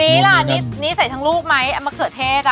นี่ละนี่ใส่ถึงหลูกไหมมะเขือเทศ